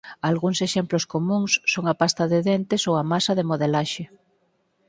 Algúns exemplos comúns son a pasta de dentes ou a masa de modelaxe.